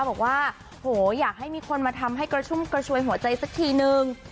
บอกว่าโหอยากให้มีคนมาทำให้กระชุ่มกระชวยหัวใจสักทีนึง